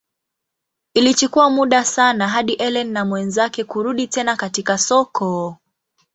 Ilichukua muda sana hadi Ellen na mwenzake kurudi tena katika soko.